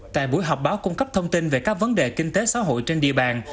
tại buổi họp báo cung cấp thông tin về các vấn đề kinh tế xã hội trên địa bàn